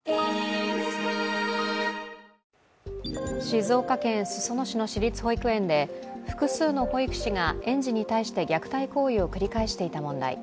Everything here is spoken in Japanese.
静岡県裾野市の私立保育園で複数の保育士が園児に対して虐待行為を繰り返していた問題。